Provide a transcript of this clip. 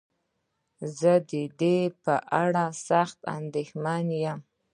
زه ددې په اړه سخت انديښمن يم.